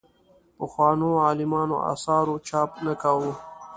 پخوانو عالمانو اثارو چاپ نه کوو.